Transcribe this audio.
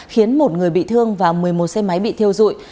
khiến một người bị thương và một mươi một xe máy bị thiêu dụi